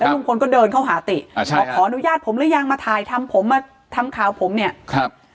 ลุงพลก็เดินเข้าหาติอ่าใช่บอกขออนุญาตผมหรือยังมาถ่ายทำผมมาทำข่าวผมเนี่ยครับ